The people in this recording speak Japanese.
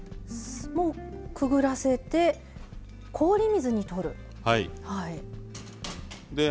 もうくぐらせて氷水に取る。